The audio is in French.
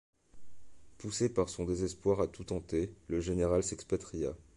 Poussé par son désespoir à tout tenter, le général s’expatria.